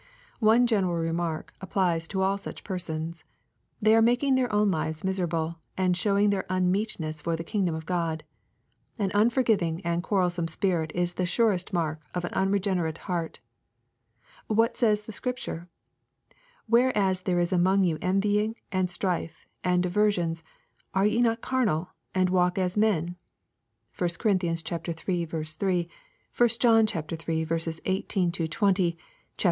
One general remark applies to all such persons. They are making their own lives miserable and showing their unmeetness for the kingdom of God. An unforgiving and quarrelsome spirit is the surest mark of an unregen erate heart. What says the Scripture ?" Whereas there is among you envying, and strife, and divisions, are ye not carnal, and walk as men ?" (1 Cor. iii. 3 ; 1 John iii. 18—20 ; iv.